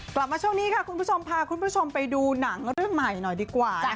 กลับมาช่วงนี้ค่ะคุณผู้ชมพาคุณผู้ชมไปดูหนังเรื่องใหม่หน่อยดีกว่า